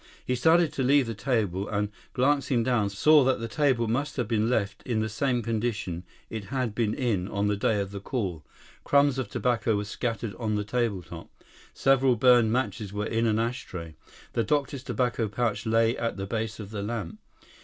He started to leave the table, and, glancing down, saw that the table must have been left in the same condition it had been in on the day of the call. Crumbs of tobacco were scattered on the tabletop. Several burned matches were in an ash tray. The doctor's tobacco pouch lay at the base of the lamp.